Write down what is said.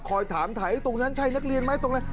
ถามถ่ายตรงนั้นใช่นักเรียนไหมตรงไหน